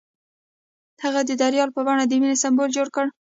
هغه د دریا په بڼه د مینې سمبول جوړ کړ.